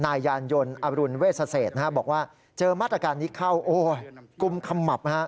นายยานยนต์อรุณเวชเศษบอกว่าเจอมาตรการนี้เข้าโอ้กุมขมับ